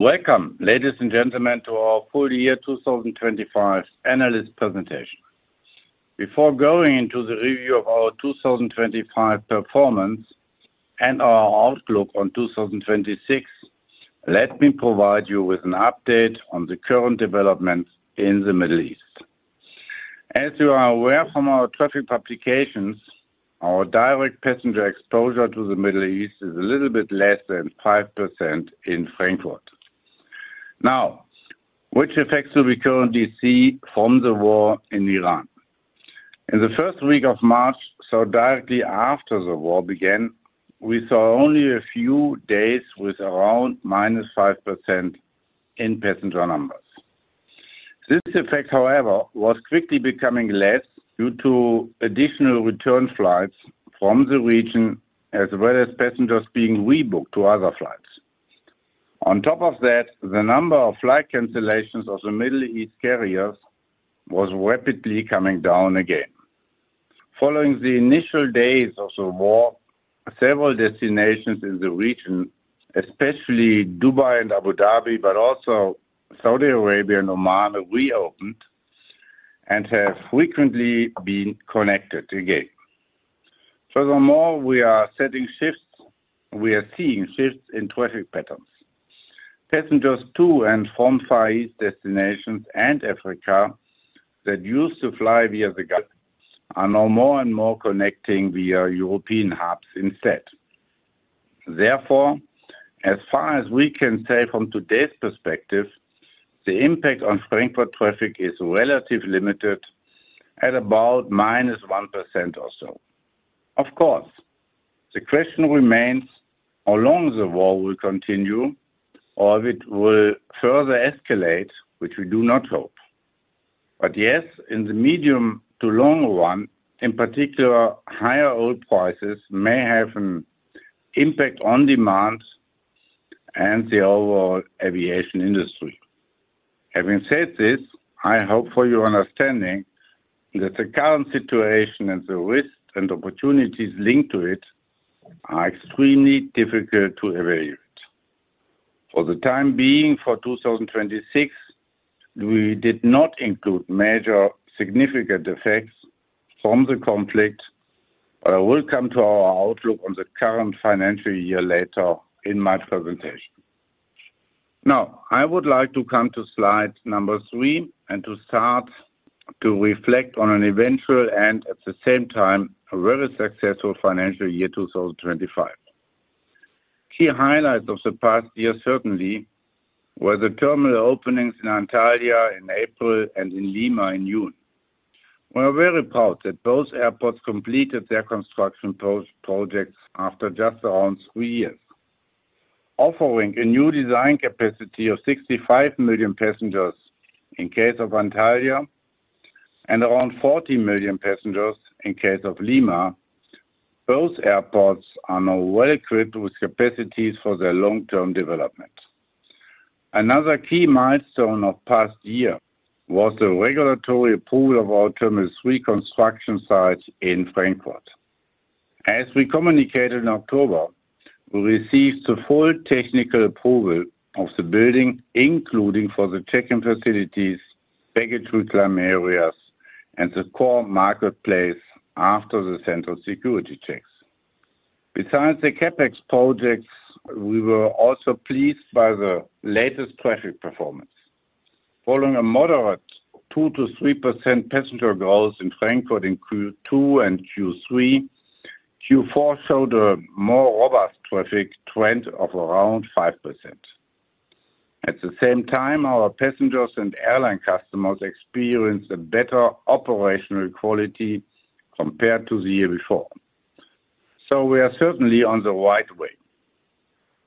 Welcome, ladies and gentlemen to our full year 2025 analyst presentation. Before going into the review of our 2025 performance and our outlook on 2026, let me provide you with an update on the current developments in the Middle East. As you are aware from our traffic publications, our direct passenger exposure to the Middle East is a little bit less than 5% in Frankfurt. Now, which effects do we currently see from the war in Iran? In the first week of March, so directly after the war began, we saw only a few days with around -5% in passenger numbers. This effect, however, was quickly becoming less due to additional return flights from the region, as well as passengers being rebooked to other flights. On top of that, the number of flight cancellations of the Middle East carriers was rapidly coming down again. Following the initial days of the war, several destinations in the region, especially Dubai and Abu Dhabi but also Saudi Arabia and Oman reopened and have frequently been connected again. Furthermore, we are seeing shifts in traffic patterns. Passengers to and from Far East destinations and Africa that used to fly via the Gulf are now more and more connecting via European hubs instead. Therefore, as far as we can say from today's perspective, the impact on Frankfurt traffic is relatively limited at about -1% or so. Of course, the question remains how long the war will continue or if it will further escalate, which we do not hope. Yes, in the medium to long run, in particular, higher oil prices may have an impact on demand and the overall aviation industry. Having said this, I hope for your understanding that the current situation and the risks and opportunities linked to it are extremely difficult to evaluate. For the time being, for 2026, we did not include major significant effects from the conflict but I will come to our outlook on the current financial year later in my presentation. Now, I would like to come to slide number three and to start to reflect on an eventful and, at the same time, a very successful financial year 2025. Key highlights of the past year certainly were the terminal openings in Antalya in April and in Lima in June. We are very proud that both airports completed their construction projects after just around three years. Offering a new design capacity of 65 million passengers in case of Antalya and around 40 million passengers in case of Lima, both airports are now well equipped with capacities for their long-term development. Another key milestone of past year was the regulatory approval of our Terminal 3 construction site in Frankfurt. As we communicated in October, we received the full technical approval of the building, including for the check-in facilities, baggage reclaim areas and the core marketplace after the central security checks. Besides the CapEx projects, we were also pleased by the latest traffic performance. Following a moderate 2%-3% passenger growth in Frankfurt in Q2 and Q3, Q4 showed a more robust traffic trend of around 5%. At the same time, our passengers and airline customers experienced a better operational quality compared to the year before. We are certainly on the right way.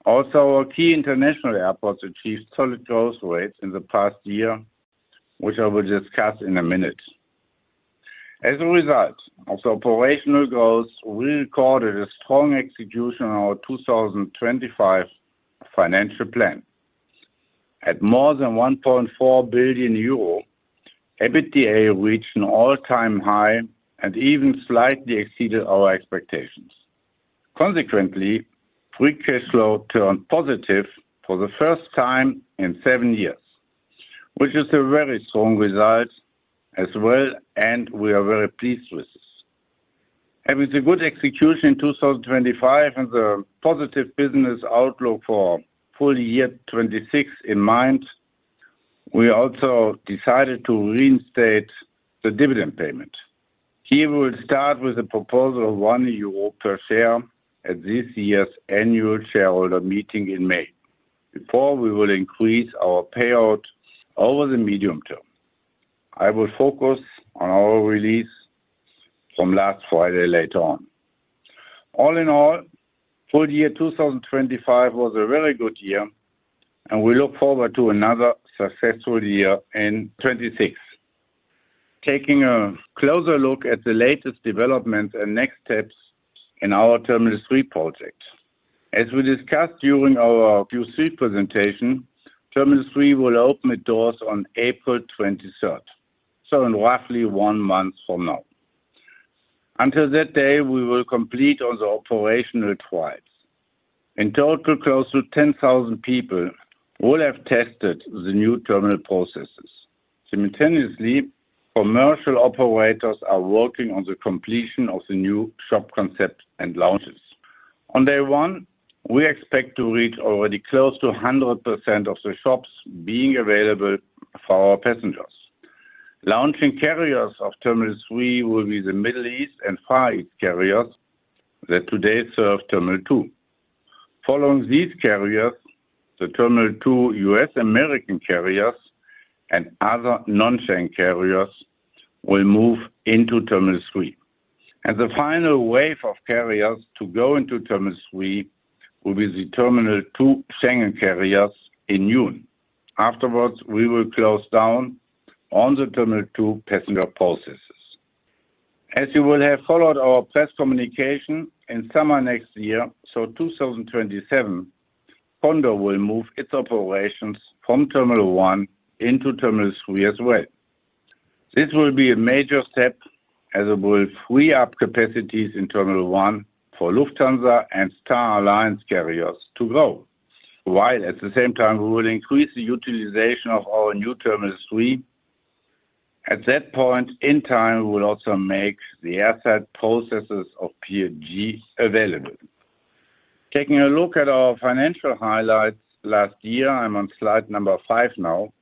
Our key international airports achieved solid growth rates in the past year, which I will discuss in a minute. As a result of the operational growth, we recorded a strong execution on our 2025 financial plan. At more than 1.4 billion euro, EBITDA reached an all-time high and even slightly exceeded our expectations. Consequently, free cash flow turned positive for the first time in seven years, which is a very strong result as well and we are very pleased with this. With the good execution in 2025 and the positive business outlook for full year 2026 in mind, we also decided to reinstate the dividend payment. Here we'll start with a proposal of 1 euro per share at this year's annual shareholder meeting in May before we will increase our payout over the medium term. I will focus on our release from last Friday later on. All in all, full year 2025 was a very good year and we look forward to another successful year in 2026. Taking a closer look at the latest developments and next steps in our Terminal 3 project. As we discussed during our Q3 presentation, Terminal 3 will open its doors on 23 April, so in roughly one month from now. Until that day, we will complete all the operational trials. In total, close to 10,000 people will have tested the new terminal processes. Simultaneously, commercial operators are working on the completion of the new shop concept and lounges. On day one, we expect to reach already close to 100% of the shops being available for our passengers. Launching carriers of Terminal 3 will be the Middle East and Far East carriers that today serve Terminal 2. Following these carriers, the Terminal 2 U.S. American carriers and other non-Schengen carriers will move into Terminal 3. The final wave of carriers to go into Terminal 3 will be the Terminal 2 Schengen carriers in June. Afterwards, we will close down on the Terminal 2 passenger processes. As you will have followed our press communication in summer next year, so 2027, Condor will move its operations from Terminal 1 into Terminal 3 as well. This will be a major step as it will free up capacities in Terminal 1 for Lufthansa and Star Alliance carriers to grow, while at the same time we will increase the utilization of our new Terminal 3. At that point in time, we will also make the asset processes of Pier G available. Taking a look at our financial highlights last year, I'm on slide number five now.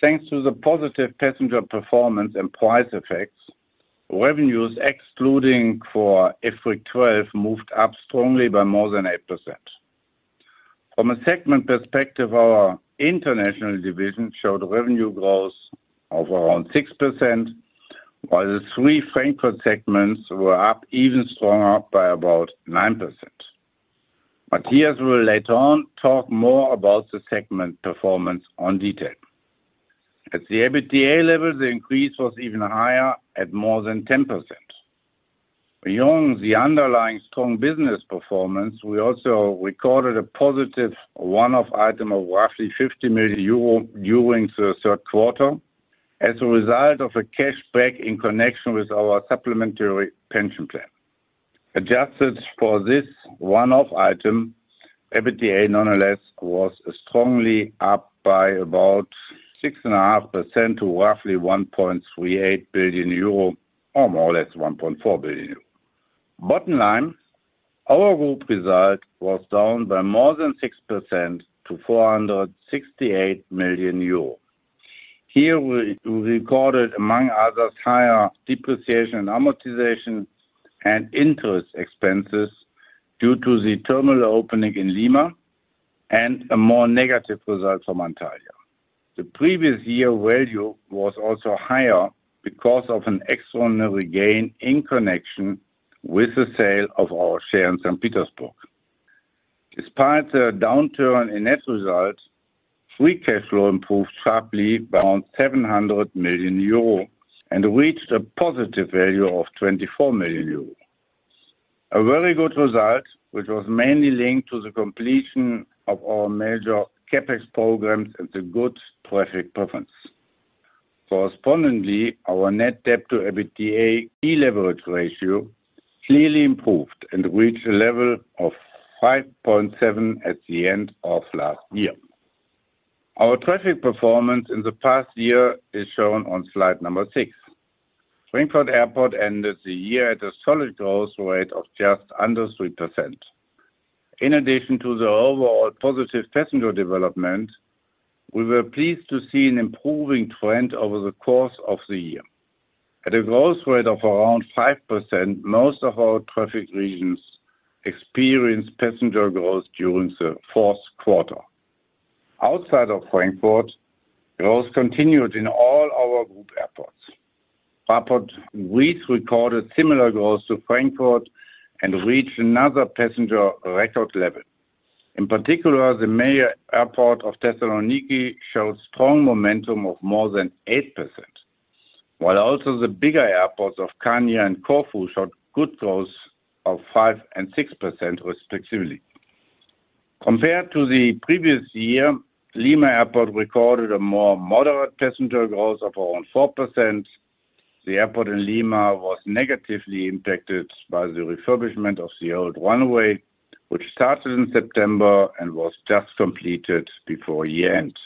Thanks to the positive passenger performance and price effects, revenues excluding IFRIC 12 moved up strongly by more than 8%. From a segment perspective, our international division showed revenue growth of around 6%, while the three Frankfurt segments were up even stronger by about 9%. Matthias will later on talk more about the segment performance in detail. At the EBITDA level, the increase was even higher at more than 10%. Beyond the underlying strong business performance, we also recorded a positive one-off item of roughly 50 million euro during the third quarter as a result of a cashback in connection with our supplementary pension plan. Adjusted for this one-off item, EBITDA nonetheless was strongly up by about 6.5% to roughly 1.38 billion euro or more or less 1.4 billion euro. Bottom line, our group result was down by more than 6% to 468 million euros. Here we recorded, among others, higher depreciation, amortization and interest expenses due to the terminal opening in Lima and a more negative result from Antalya. The previous year value was also higher because of an extraordinary gain in connection with the sale of our share in St. Petersburg. Despite the downturn in net results, free cash flow improved sharply by 700 million euro and reached a positive value of 24 million euro. A very good result, which was mainly linked to the completion of our major CapEx programs and the good traffic performance. Correspondingly, our net debt to EBITDA deleverage ratio clearly improved and reached a level of 5.7 at the end of last year. Our traffic performance in the past year is shown on slide 6. Frankfurt Airport ended the year at a solid growth rate of just under 3%. In addition to the overall positive passenger development, we were pleased to see an improving trend over the course of the year. At a growth rate of around 5%, most of our traffic regions experienced passenger growth during the fourth quarter. Outside of Frankfurt, growth continued in all our group airports. Fraport Greece recorded similar growth to Frankfurt and reached another passenger record level. In particular, the major airport of Thessaloniki showed strong momentum of more than 8%, while also the bigger airports of Chania and Corfu showed good growth of 5% and 6% respectively. Compared to the previous year, Lima Airport recorded a more moderate passenger growth of around 4%. The airport in Lima was negatively impacted by the refurbishment of the old runway, which started in September and was just completed before year-end.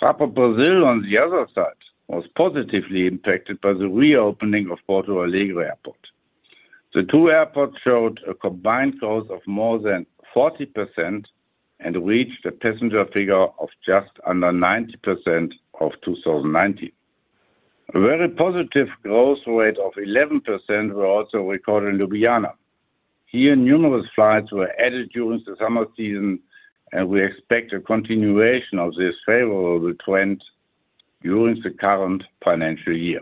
Fraport Brasil, on the other side, was positively impacted by the reopening of Porto Alegre Airport. The two airports showed a combined growth of more than 40% and reached a passenger figure of just under 90% of 2019. A very positive growth rate of 11% were also recorded in Ljubljana. Here, numerous flights were added during the summer season and we expect a continuation of this favorable trend during the current financial year.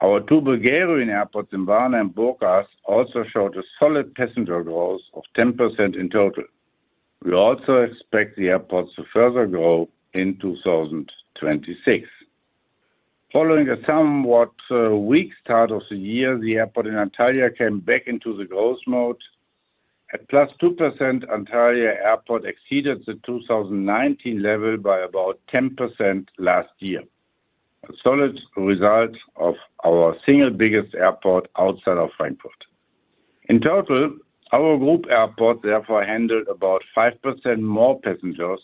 Our two Bulgarian airports in Varna and Burgas also showed a solid passenger growth of 10% in total. We also expect the airports to further grow in 2026. Following a somewhat weak start of the year, the airport in Antalya came back into the growth mode. At +2%, Antalya Airport exceeded the 2019 level by about 10% last year. A solid result of our single biggest airport outside of Frankfurt. In total, our group airport therefore handled about 5% more passengers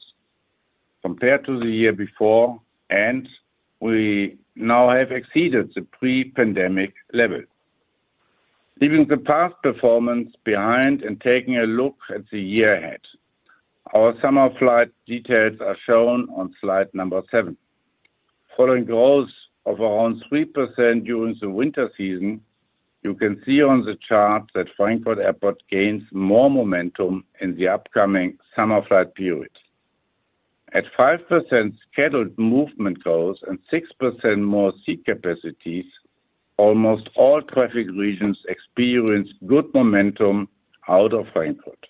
compared to the year before and we now have exceeded the pre-pandemic level. Leaving the past performance behind and taking a look at the year ahead, our summer flight details are shown on slide number seven. Following growth of around 3% during the winter season, you can see on the chart that Frankfurt Airport gains more momentum in the upcoming summer flight period. At 5% scheduled movement growth and 6% more seat capacities, almost all traffic regions experience good momentum out of Frankfurt.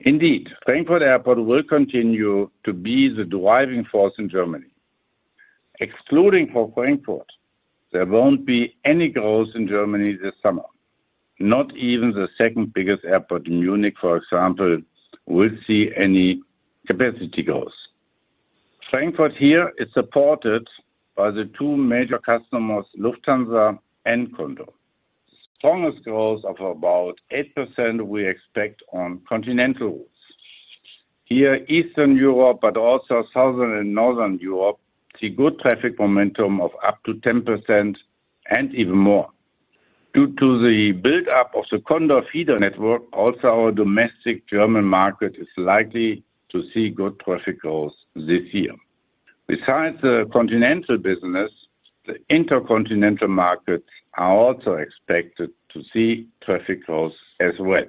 Indeed, Frankfurt Airport will continue to be the driving force in Germany. Except for Frankfurt, there won't be any growth in Germany this summer. Not even the second biggest airport in Munich, for example, will see any capacity growth. Frankfurt here is supported by the two major customers, Lufthansa and Condor. Strongest growth of about 8% we expect on continental routes. Here, Eastern Europe but also Southern and Northern Europe, see good traffic momentum of up to 10% and even more. Due to the build-up of the Condor feeder network, also our domestic German market is likely to see good traffic growth this year. Besides the continental business, the intercontinental markets are also expected to see traffic growth as well.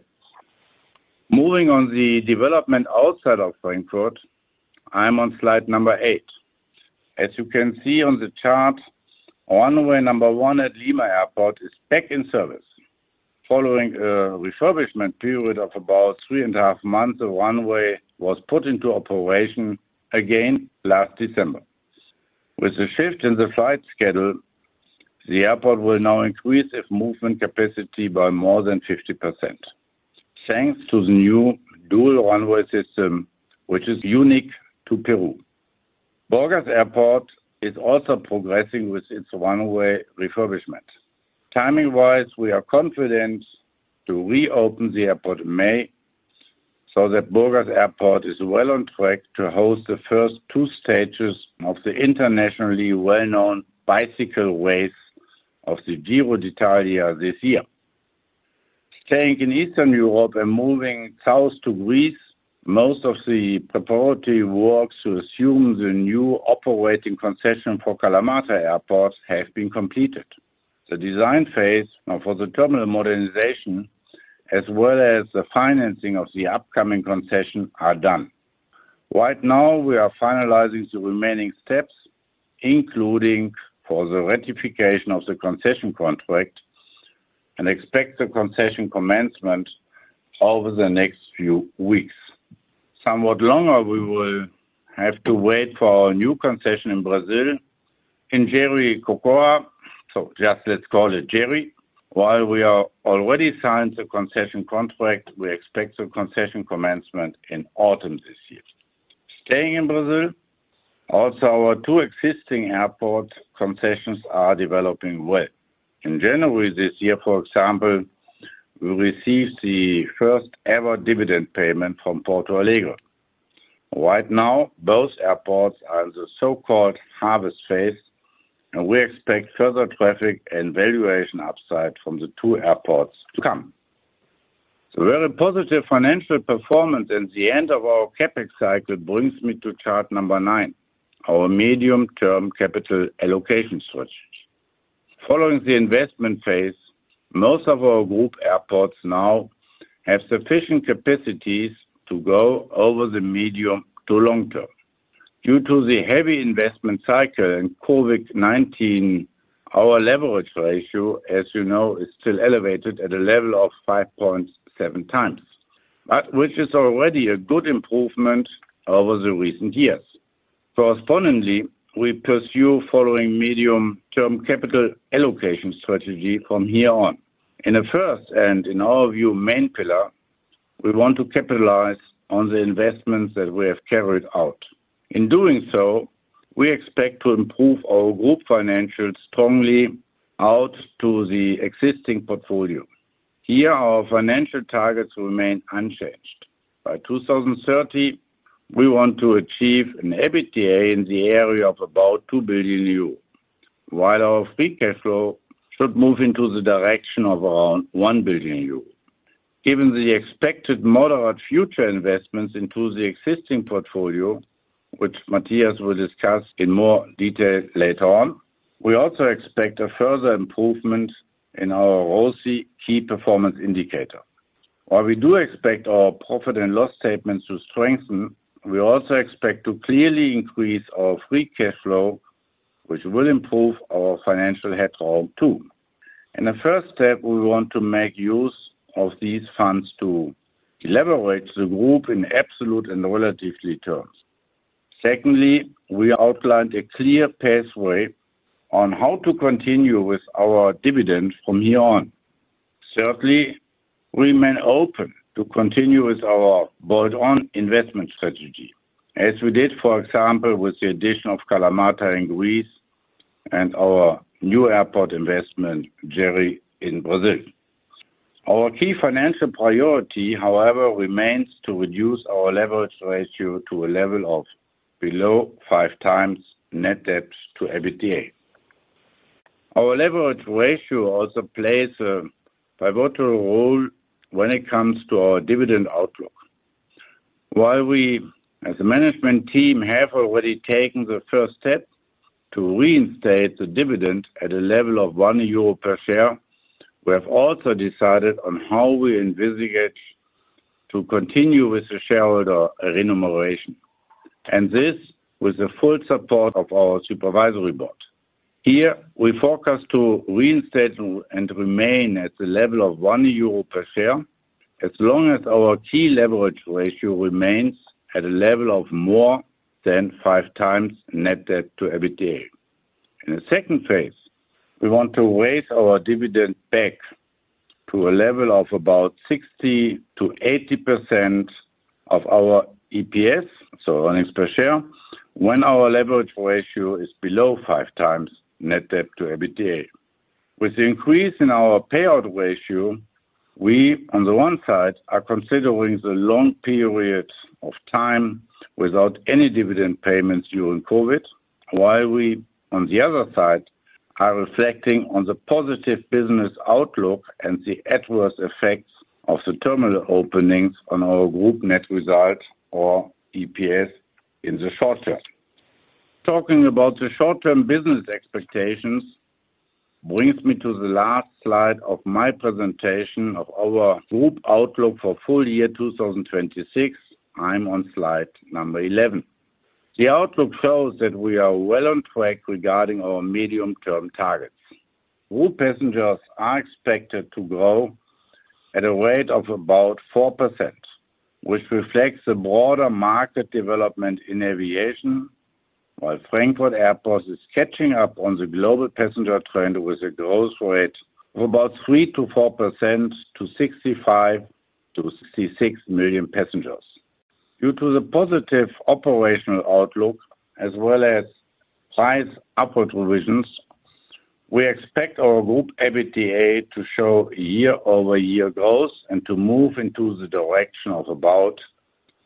Moving on the development outside of Frankfurt, I'm on slide number eight. As you can see on the chart, runway number one at Lima Airport is back in service. Following a refurbishment period of about 3.5 months, the runway was put into operation again last December. With the shift in the flight schedule, the airport will now increase its movement capacity by more than 50%. Thanks to the new dual runway system, which is unique to Peru. Burgas Airport is also progressing with its runway refurbishment. Timing-wise, we are confident to reopen the airport in May so that Burgas Airport is well on track to host the first two stages of the internationally well-known bicycle race of the Giro d'Italia this year. Staying in Eastern Europe and moving south to Greece, most of the preparatory works to assume the new operating concession for Kalamata Airport have been completed. The design phase for the terminal modernization, as well as the financing of the upcoming concession, are done. Right now, we are finalizing the remaining steps, including for the ratification of the concession contract and expect the concession commencement over the next few weeks. Somewhat longer, we will have to wait for a new concession in Brazil, in Jericoacoara, so just let's call it Jeri. While we are already signed the concession contract, we expect the concession commencement in autumn this year. Staying in Brazil, also our two existing airport concessions are developing well. In January this year, for example, we received the first ever dividend payment from Porto Alegre. Right now, both airports are in the so-called harvest phase and we expect further traffic and valuation upside from the two airports to come. The very positive financial performance and the end of our CapEx cycle brings me to chart number nine, our medium-term capital allocation strategy. Following the investment phase, most of our group airports now have sufficient capacities to go over the medium to long term. Due to the heavy investment cycle in COVID-19, our leverage ratio, as you know, is still elevated at a level of 5.7 times but which is already a good improvement over the recent years. Correspondingly, we pursue following medium-term capital allocation strategy from here on. In the first and in our view, main pillar, we want to capitalize on the investments that we have carried out. In doing so, we expect to improve our group financials strongly due to the existing portfolio. Here, our financial targets remain unchanged. By 2030, we want to achieve an EBITDA in the area of about 2 billion euros, while our free cash flow should move into the direction of around 1 billion euros. Given the expected moderate future investments into the existing portfolio, which Matthias will discuss in more detail later on, we also expect a further improvement in our ROCE key performance indicator. While we do expect our profit and loss statements to strengthen, we also expect to clearly increase our free cash flow, which will improve our financial headroom too. In the first step, we want to make use of these funds to leverage the group in absolute and relative terms. Secondly, we outlined a clear pathway on how to continue with our dividend from here on. Thirdly, we remain open to continue with our bolt-on investment strategy, as we did, for example, with the addition of Kalamata in Greece and our new airport investment, Jericoacoara, in Brazil. Our key financial priority, however, remains to reduce our leverage ratio to a level of below 5x net debt to EBITDA. Our leverage ratio also plays a pivotal role when it comes to our dividend outlook. While we, as a management team, have already taken the first step to reinstate the dividend at a level of 1 euro per share, we have also decided on how we envisage to continue with the shareholder remuneration and this with the full support of our supervisory board. Here we focus to reinstate and remain at the level of 1 euro per share as long as our key leverage ratio remains at a level of more than 5x net debt to EBITDA. In the second phase, we want to raise our dividend back to a level of about 60%-80% of our EPS, so earnings per share, when our leverage ratio is below 5x net debt to EBITDA. With the increase in our payout ratio, we, on the one side, are considering the long periods of time without any dividend payments during COVID, while we, on the other side, are reflecting on the positive business outlook and the adverse effects of the terminal openings on our group net results or EPS in the short term. Talking about the short-term business expectations brings me to the last slide of my presentation of our group outlook for full year 2026. I'm on slide 11. The outlook shows that we are well on track regarding our medium-term targets. Group passengers are expected to grow at a rate of about 4%, which reflects the broader market development in aviation, while Frankfurt Airport is catching up on the global passenger trend with a growth rate of about 3%-4% to 65-66 million passengers. Due to the positive operational outlook as well as price upward revisions, we expect our group EBITDA to show year-over-year growth and to move into the direction of about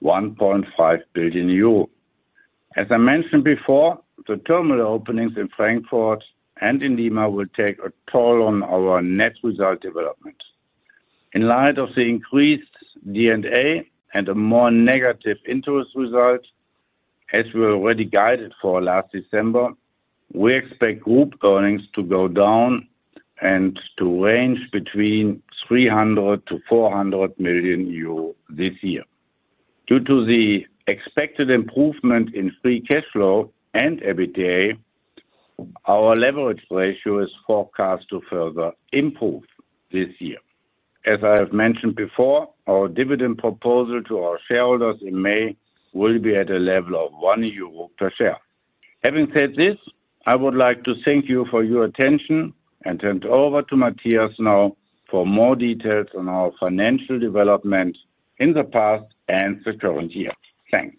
1.5 billion euro. As I mentioned before, the terminal openings in Frankfurt and in Lima will take a toll on our net result development. In light of the increased D&A and a more negative interest result, as we already guided for last December, we expect group earnings to go down and to range between 300 million-400 million euro this year. Due to the expected improvement in free cash flow and EBITDA, our leverage ratio is forecast to further improve this year. As I have mentioned before, our dividend proposal to our shareholders in May will be at a level of 1 euro per share. Having said this, I would like to thank you for your attention and turn it over to Matthias now for more details on our financial development in the past and the current year. Thanks.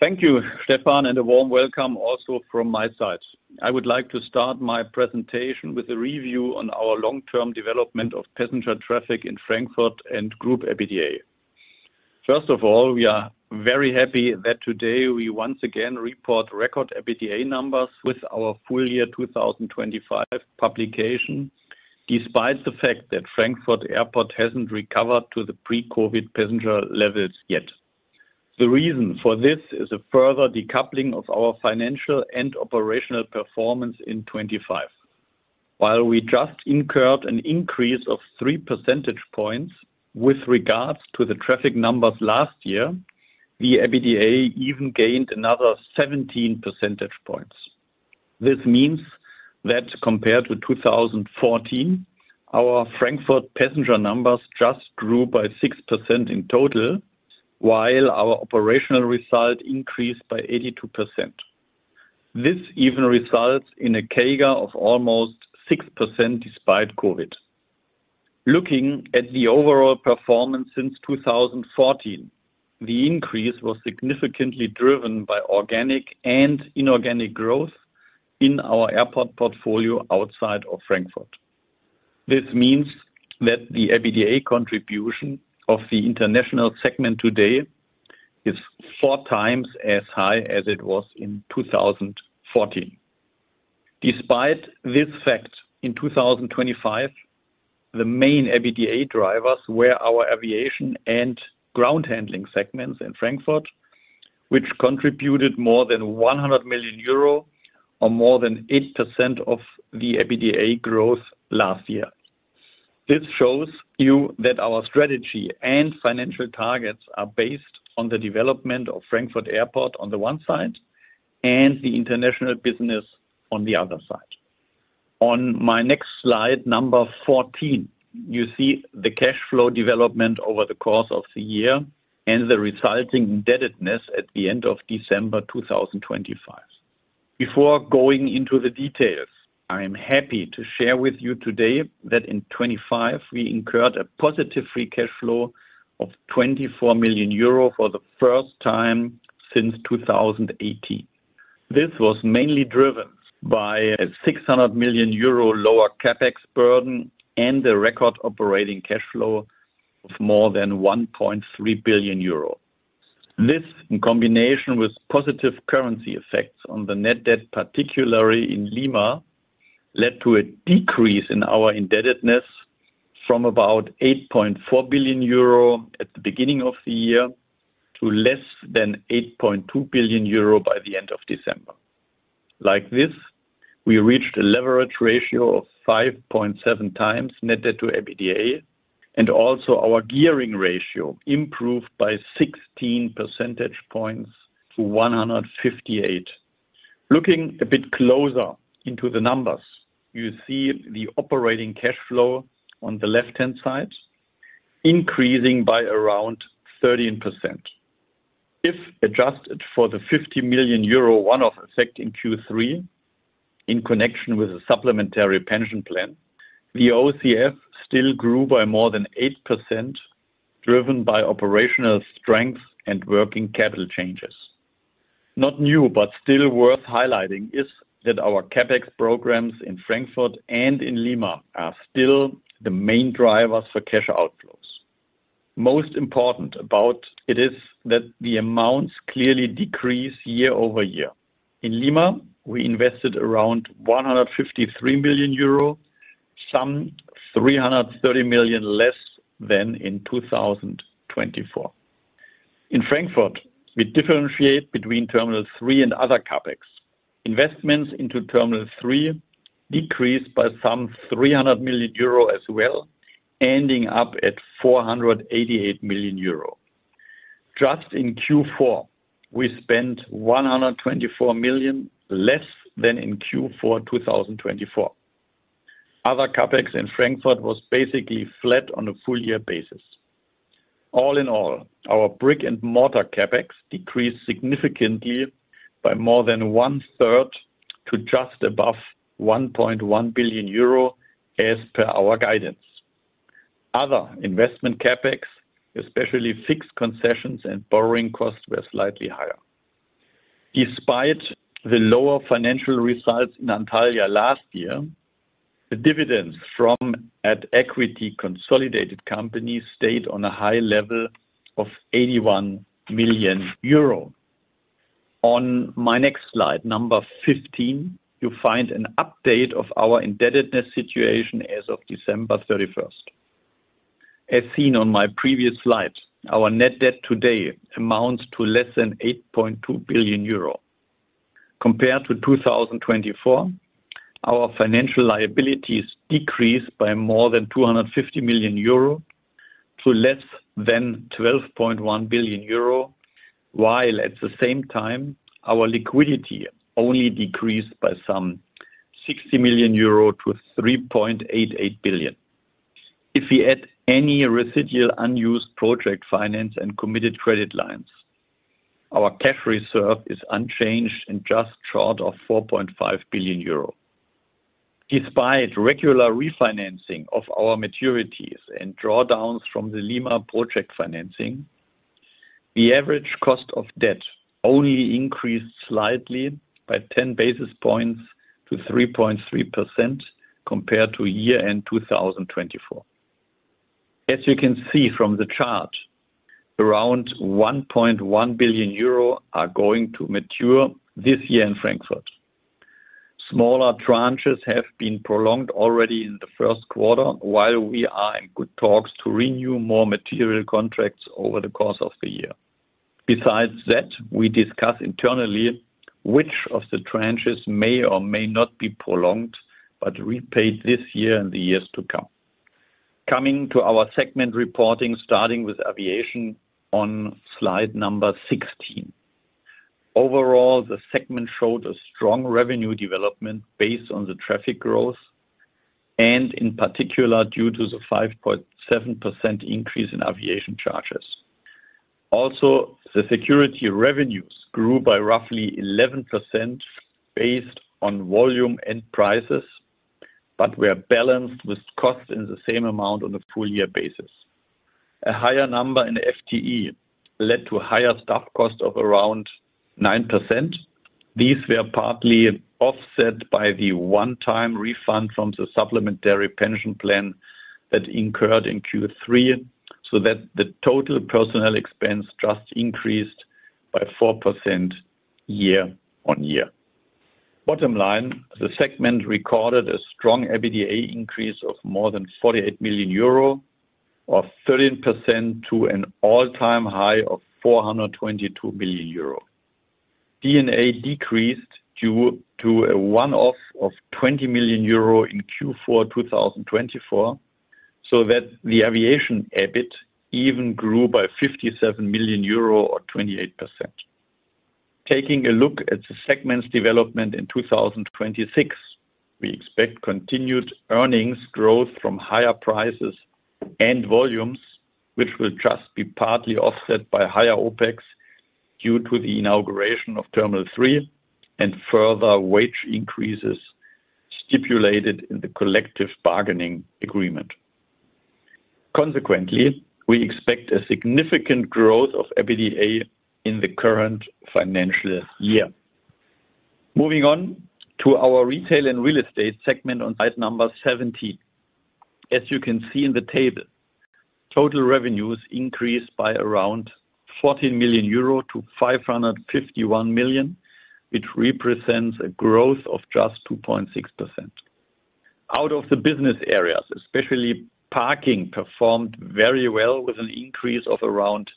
Thank you, Stefan and a warm welcome also from my side. I would like to start my presentation with a review on our long-term development of passenger traffic in Frankfurt and Group EBITDA. First of all, we are very happy that today we once again report record EBITDA numbers with our full year 2025 publication, despite the fact that Frankfurt Airport hasn't recovered to the pre-COVID passenger levels yet. The reason for this is a further decoupling of our financial and operational performance in 2025. While we just incurred an increase of 3 percentage points with regards to the traffic numbers last year, the EBITDA even gained another 17 percentage points. This means that compared to 2014, our Frankfurt passenger numbers just grew by 6% in total, while our operational result increased by 82%. This even results in a CAGR of almost 6% despite COVID. Looking at the overall performance since 2014, the increase was significantly driven by organic and inorganic growth in our airport portfolio outside of Frankfurt. This means that the EBITDA contribution of the international segment today is four times as high as it was in 2014. Despite this fact, in 2025, the main EBITDA drivers were our aviation and ground handling segments in Frankfurt, which contributed more than 100 million euro to more than 8% of the EBITDA growth last year. This shows you that our strategy and financial targets are based on the development of Frankfurt Airport on the one side and the international business on the other side. On my next slide, number 14, you see the cash flow development over the course of the year and the resulting indebtedness at the end of December 2025. Before going into the details, I am happy to share with you today that in 2025 we incurred a positive free cash flow of 24 million euro for the first time since 2018. This was mainly driven by a 600 million euro lower CapEx burden and a record operating cash flow of more than 1.3 billion euro. This, in combination with positive currency effects on the net debt, particularly in Lima, led to a decrease in our indebtedness from about 8.4 billion euro at the beginning of the year to less than 8.2 billion euro by the end of December. Like this, we reached a leverage ratio of 5.7 times net debt to EBITDA and also our gearing ratio improved by 16 percentage points to 158. Looking a bit closer into the numbers, you see the operating cash flow on the left-hand side increasing by around 13%. If adjusted for the 50 million euro one-off effect in Q3 in connection with the supplementary pension plan, the OCF still grew by more than 8%, driven by operational strength and working capital changes. Not new but still worth highlighting is that our CapEx programs in Frankfurt and in Lima are still the main drivers for cash outflows. Most important about it is that the amounts clearly decrease year-over-year. In Lima, we invested around 153 million euro, some 330 million less than in 2024. In Frankfurt, we differentiate between Terminal 3 and other CapEx. Investments into Terminal 3 decreased by some 300 million euro as well, ending up at 488 million euro. Just in Q4, we spent 124 million, less than in Q4 2024. Other CapEx in Frankfurt was basically flat on a full year basis. All in all, our brick and mortar CapEx decreased significantly by more than one-third to just above 1.1 billion euro as per our guidance. Other investment CapEx, especially fixed concessions and borrowing costs, were slightly higher. Despite the lower financial results in Antalya last year, the dividends from at-equity consolidated companies stayed on a high level of 81 million euro. On my next slide, number 15, you'll find an update of our indebtedness situation as of 31 December. As seen on my previous slides, our net debt today amounts to less than 8.2 billion euro. Compared to 2024, our financial liabilities decreased by more than 250 million euro to less than 12.1 billion euro, while at the same time, our liquidity only decreased by some 60 million euro to 3.88 billion. If we add any residual unused project finance and committed credit lines, our cash reserve is unchanged in just short of 4.5 billion euro. Despite regular refinancing of our maturities and drawdowns from the Lima project financing, the average cost of debt only increased slightly by 10 basis points to 3.3% compared to year-end 2024. As you can see from the chart, around 1.1 billion euro are going to mature this year in Frankfurt. Smaller tranches have been prolonged already in the first quarter while we are in good talks to renew more material contracts over the course of the year. Besides that, we discuss internally which of the tranches may or may not be prolonged but repaid this year and the years to come. Coming to our segment reporting, starting with aviation on slide number 16. Overall, the segment showed a strong revenue development based on the traffic growth and in particular, due to the 5.7% increase in aviation charges. Also, the security revenues grew by roughly 11% based on volume and prices but were balanced with costs in the same amount on a full year basis. A higher number in FTE led to higher staff cost of around 9%. These were partly offset by the one-time refund from the supplementary pension plan that incurred in Q3, so that the total personnel expense just increased by 4% year-on-year. Bottom line, the segment recorded a strong EBITDA increase of more than 48 million euro or 13% to an all-time high of 422 million euro. D&A decreased due to a one-off of 20 million euro in Q4 2024, so that the aviation EBIT even grew by 57 million euro or 28%. Taking a look at the segments development in 2026, we expect continued earnings growth from higher prices and volumes, which will just be partly offset by higher OpEx due to the inauguration of Terminal 3 and further wage increases stipulated in the collective bargaining agreement. Consequently, we expect a significant growth of EBITDA in the current financial year. Moving on to our Retail & Real Estate segment on slide 17. As you can see in the table, total revenues increased by around 14 million euro to 551 million, which represents a growth of just 2.6%. Out of the business areas, especially parking performed very well with an increase of around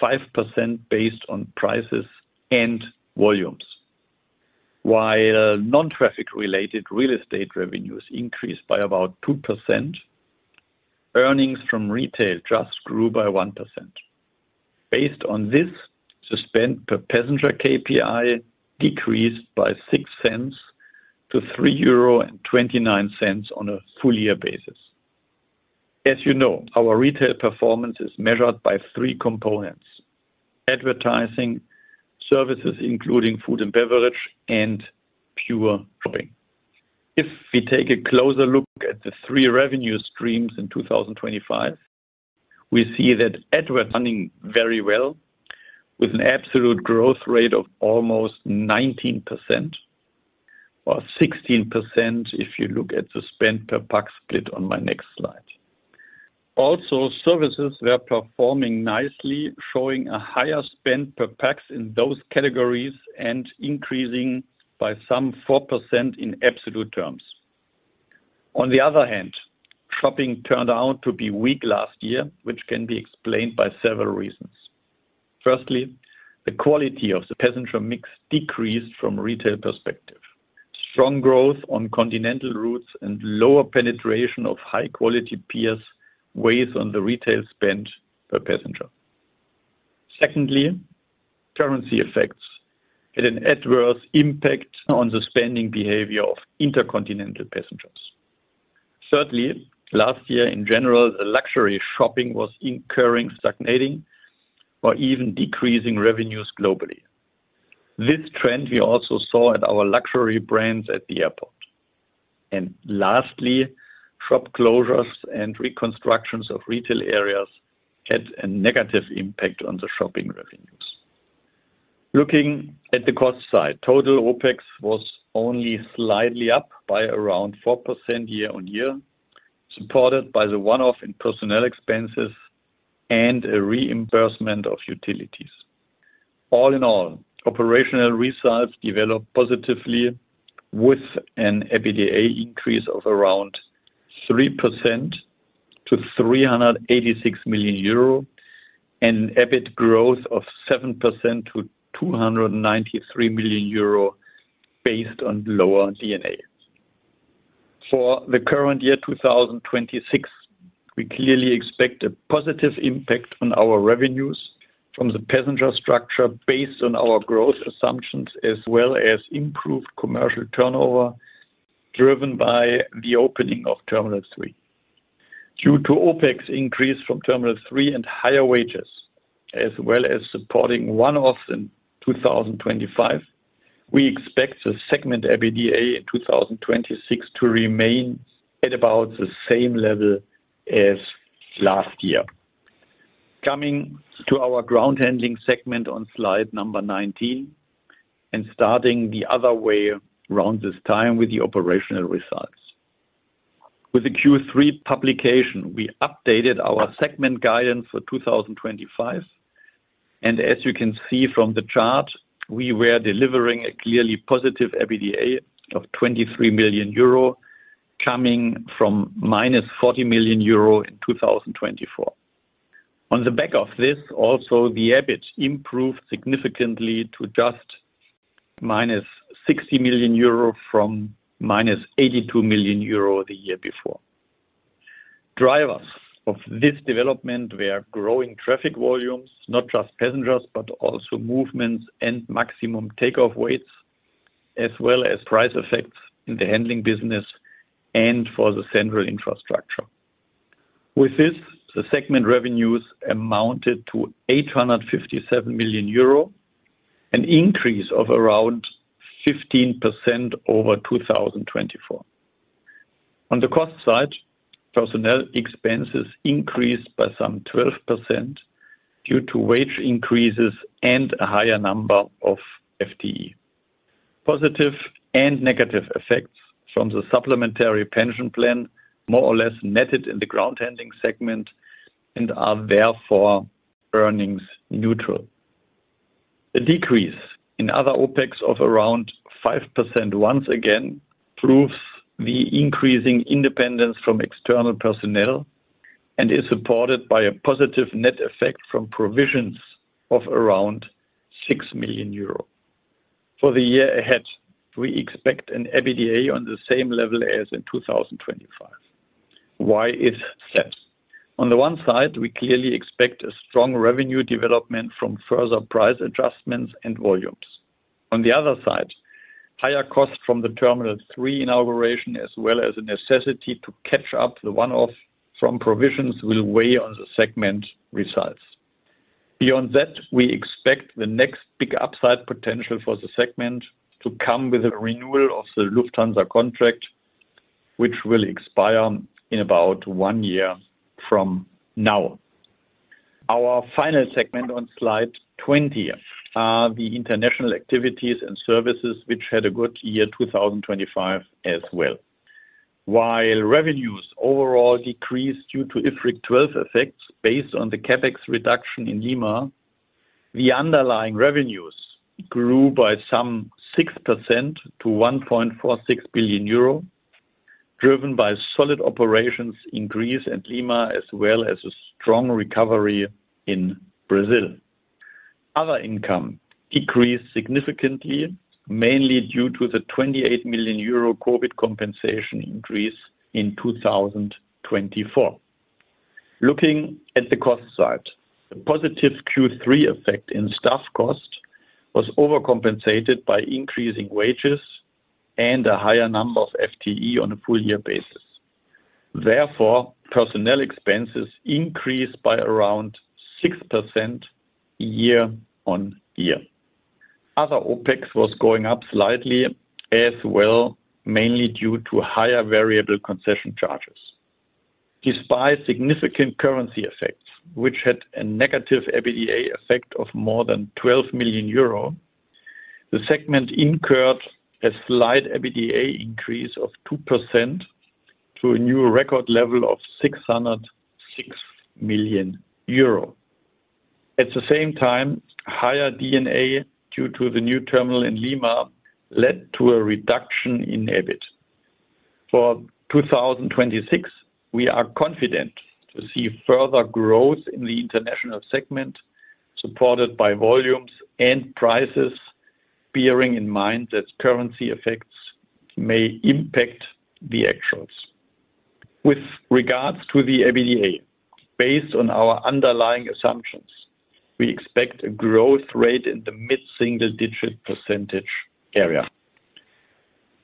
5% based on prices and volumes. While non-traffic related real estate revenues increased by about 2%, earnings from retail just grew by 1%. Based on this, the spend per passenger KPI decreased by 0.06 to 3.29 euro on a full year basis. As you know, our retail performance is measured by three components: advertising, services, including food and beverage and pure shopping. If we take a closer look at the three revenue streams in 2025, we see that advertising running very well with an absolute growth rate of almost 19% or 16% if you look at the spend per pax split on my next slide. Also, services were performing nicely, showing a higher spend per pax in those categories and increasing by some 4% in absolute terms. On the other hand, shopping turned out to be weak last year, which can be explained by several reasons. Firstly, the quality of the passenger mix decreased from retail perspective. Strong growth on continental routes and lower penetration of high quality peers weighs on the retail spend per passenger. Secondly, currency effects had an adverse impact on the spending behavior of intercontinental passengers. Thirdly, last year in general, the luxury shopping was languishing, stagnating or even decreasing revenues globally. This trend we also saw at our luxury brands at the airport. Lastly, shop closures and reconstructions of retail areas had a negative impact on the shopping revenues. Looking at the cost side, total OpEx was only slightly up by around 4% year-on-year, supported by the one-off in personnel expenses and a reimbursement of utilities. All in all, operational results developed positively with an EBITDA increase of around 3% to 386 million euro and EBIT growth of 7% to 293 million euro based on lower D&A. For the current year, 2026, we clearly expect a positive impact on our revenues from the passenger structure based on our growth assumptions, as well as improved commercial turnover driven by the opening of Terminal 3. Due to OpEx increase from Terminal 3 and higher wages, as well as supporting one-offs in 2025, we expect the segment EBITDA in 2026 to remain at about the same level as last year. Coming to our Ground Handling segment on slide number 19 and starting the other way around this time with the operational results. With the Q3 publication, we updated our segment guidance for 2025 and as you can see from the chart, we were delivering a clearly positive EBITDA of 23 million euro coming from -40 million euro in 2024. On the back of this, also the EBIT improved significantly to just -60 million euro from -82 million euro the year before. Drivers of this development were growing traffic volumes, not just passengers but also movements and maximum takeoff weights, as well as price effects in the handling business and for the central infrastructure. With this, the segment revenues amounted to 857 million euro, an increase of around 15% over 2024. On the cost side, personnel expenses increased by some 12% due to wage increases and a higher number of FTE. Positive and negative effects from the supplementary pension plan more or less netted in the ground handling segment and are therefore earnings neutral. The decrease in other OpEx of around 5% once again proves the increasing independence from external personnel and is supported by a positive net effect from provisions of around 6 million euro. For the year ahead, we expect an EBITDA on the same level as in 2025. Why is that? On the one side, we clearly expect a strong revenue development from further price adjustments and volumes. On the other side, higher costs from the Terminal 3 inauguration, as well as a necessity to catch up the one-off from provisions will weigh on the segment results. Beyond that, we expect the next big upside potential for the segment to come with a renewal of the Lufthansa contract, which will expire in about one year from now. Our final segment on slide 20 are the International Activities & Services, which had a good year 2025 as well. While revenues overall decreased due to IFRIC 12 effects based on the CapEx reduction in Lima, the underlying revenues grew by some 6% to 1.46 billion euro, driven by solid operations in Greece and Lima, as well as a strong recovery in Brazil. Other income decreased significantly, mainly due to the 28 million euro COVID compensation increase in 2024. Looking at the cost side, the positive Q3 effect in staff cost was overcompensated by increasing wages and a higher number of FTE on a full year basis. Therefore, personnel expenses increased by around 6% year-on-year. Other OpEx was going up slightly as well, mainly due to higher variable concession charges. Despite significant currency effects, which had a negative EBITDA effect of more than 12 million euro, the segment incurred a slight EBITDA increase of 2% to a new record level of 606 million euro. At the same time, higher D&A due to the new terminal in Lima led to a reduction in EBIT. For 2026, we are confident to see further growth in the international segment, supported by volumes and prices, bearing in mind that currency effects may impact the actuals. With regards to the EBITDA, based on our underlying assumptions, we expect a growth rate in the mid-single digit percentage area.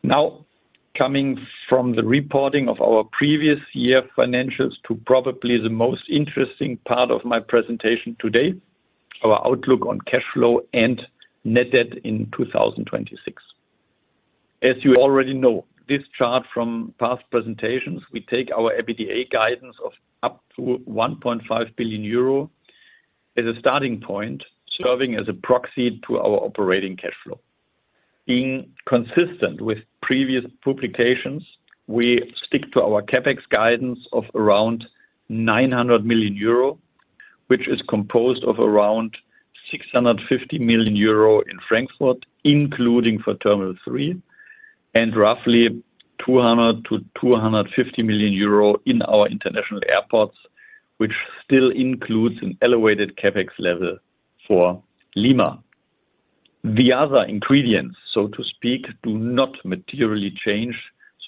Now, coming from the reporting of our previous year financials to probably the most interesting part of my presentation today, our outlook on cash flow and net debt in 2026. As you already know, this chart from past presentations, we take our EBITDA guidance of up to 1.5 billion euro as a starting point, serving as a proxy to our operating cash flow. Being consistent with previous publications, we stick to our CapEx guidance of around 900 million euro, which is composed of around 650 million euro in Frankfurt, including for terminal three and roughly 200 million-250 million euro in our international airports, which still includes an elevated CapEx level for Lima. The other ingredients, so to speak, do not materially change.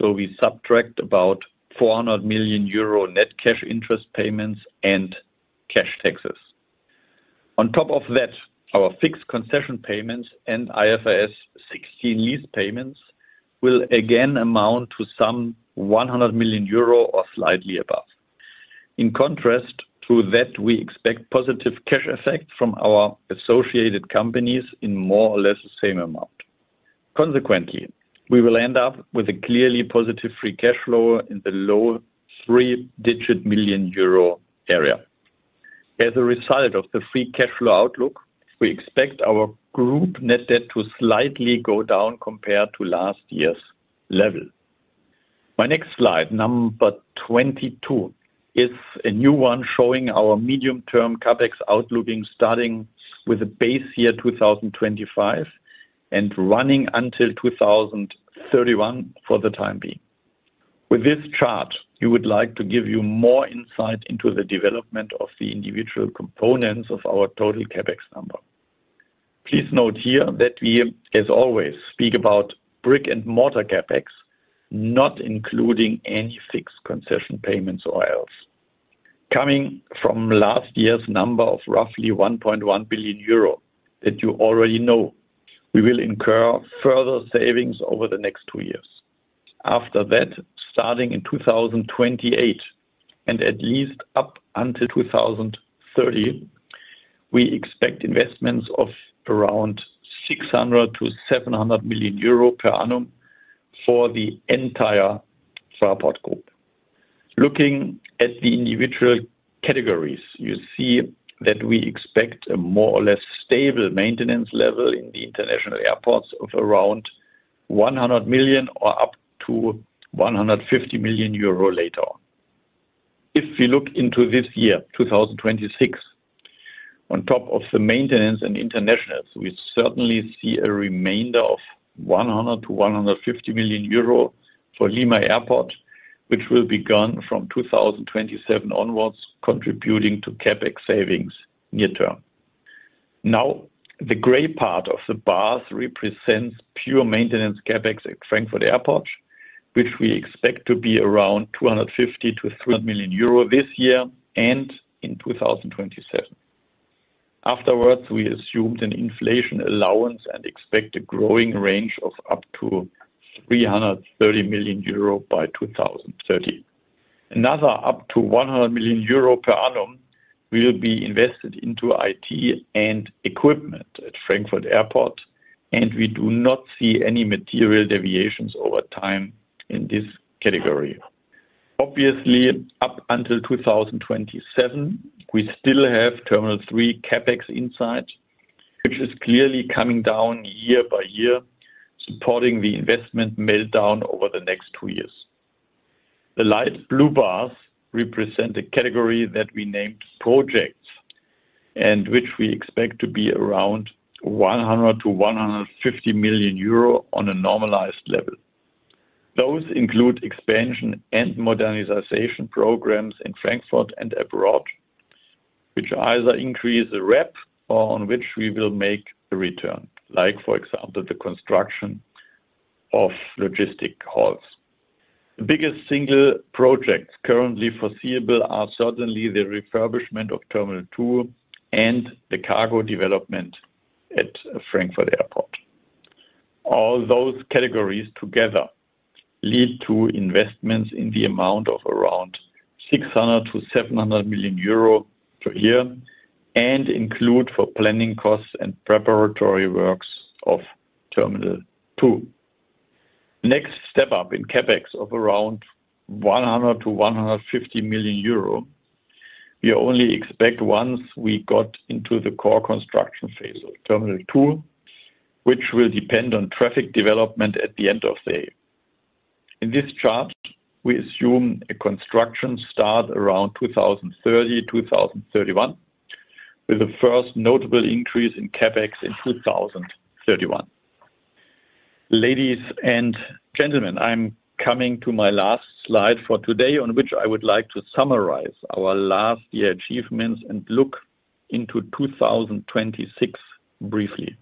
We subtract about 400 million euro net cash interest payments and cash taxes. On top of that, our fixed concession payments and IFRS 16 lease payments will again amount to some 100 million euro or slightly above. In contrast to that, we expect positive cash effects from our associated companies in more or less the same amount. Consequently, we will end up with a clearly positive free cash flow in the low three-digit million EUR area. As a result of the free cash flow outlook, we expect our group net debt to slightly go down compared to last year's level. My next slide, number 22, is a new one showing our medium-term CapEx outlook starting with the base year 2025 and running until 2031 for the time being. With this chart, we would like to give you more insight into the development of the individual components of our total CapEx number. Please note here that we, as always, speak about brick-and-mortar CapEx, not including any fixed concession payments or else. Coming from last year's number of roughly 1.1 billion euro that you already know, we will incur further savings over the next two years. After that, starting in 2028 and at least up until 2030, we expect investments of around 600 million-700 million euro per annum for the entire Fraport Group. Looking at the individual categories, you see that we expect a more or less stable maintenance level in the international airports of around 100 million or up to 150 million euro later on. If we look into this year, 2026, on top of the maintenance and internationals, we certainly see a remainder of 100-150 million euro for Lima Airport, which will be gone from 2027 onwards, contributing to CapEx savings near term. Now the gray part of the bars represents pure maintenance CapEx at Frankfurt Airport, which we expect to be around 250-300 million euro this year and in 2027. Afterwards, we assumed an inflation allowance and expect a growing range of up to 330 million euro by 2030. Another up to 100 million euro per annum will be invested into IT and equipment at Frankfurt Airport and we do not see any material deviations over time in this category. Obviously, up until 2027, we still have Terminal 3 CapEx in sight, which is clearly coming down year by year, supporting the investment build-down over the next two years. The light blue bars represent a category that we named projects and which we expect to be around 100-150 million euro on a normalized level. Those include expansion and modernization programs in Frankfurt and abroad, which either increase the RAB or on which we will make a return, like for example, the construction of logistics halls. The biggest single projects currently foreseeable are certainly the refurbishment of Terminal 2 and the cargo development at Frankfurt Airport. All those categories together lead to investments in the amount of around 600-700 million euro per year and include for planning costs and preparatory works of Terminal 2. Next step up in CapEx of around 100 million-150 million euro, we only expect once we got into the core construction phase of Terminal 2, which will depend on traffic development at the end of the day. In this chart, we assume a construction start around 2030, 2031, with the first notable increase in CapEx in 2031. Ladies and gentlemen, I'm coming to my last slide for today on which I would like to summarize our last year achievements and look into 2026 briefly.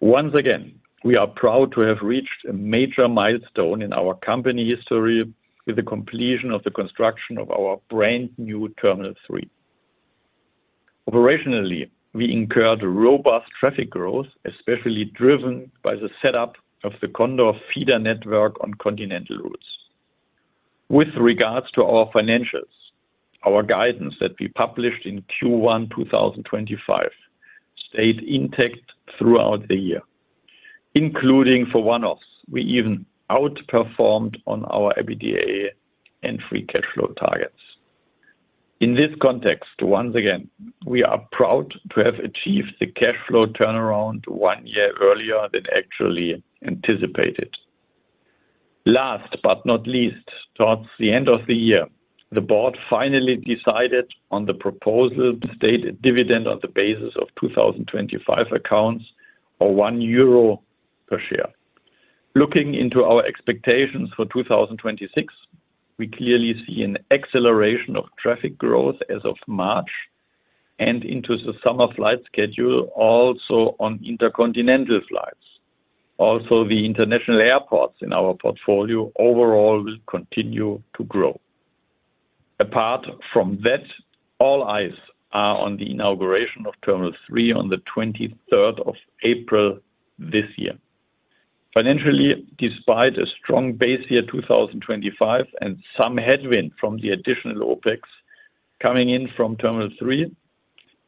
Once again, we are proud to have reached a major milestone in our company history with the completion of the construction of our brand-new Terminal 3. Operationally, we incurred robust traffic growth, especially driven by the setup of the Condor feeder network on continental routes. With regards to our financials, our guidance that we published in Q1 2025 stayed intact throughout the year, including for one-offs. We even outperformed on our EBITDA and free cash flow targets. In this context, once again, we are proud to have achieved the cash flow turnaround one year earlier than actually anticipated. Last but not least, towards the end of the year, the board finally decided on the proposal to state a dividend on the basis of 2025 accounts of 1 euro per share. Looking into our expectations for 2026, we clearly see an acceleration of traffic growth as of March and into the summer flight schedule also on intercontinental flights. Also, the international airports in our portfolio overall will continue to grow. Apart from that, all eyes are on the inauguration of Terminal 3 on the 23rd of April this year. Financially, despite a strong base year 2025 and some headwind from the additional OpEx coming in from Terminal 3,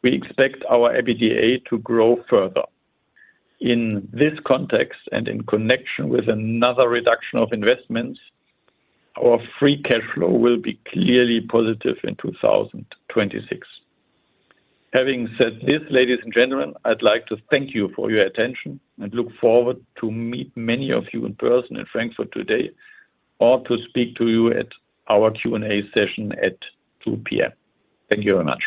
we expect our EBITDA to grow further. In this context and in connection with another reduction of investments, our free cash flow will be clearly positive in 2026. Having said this, ladies and gentlemen, I'd like to thank you for your attention and look forward to meet many of you in person in Frankfurt today or to speak to you at our Q&A session at 2:00 P.M. Thank you very much.